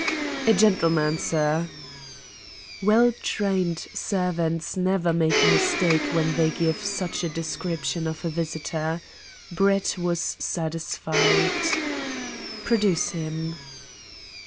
"A gentleman, sir." Well trained servants never make a mistake when they give such a description of a visitor. Brett was satisfied. "Produce him."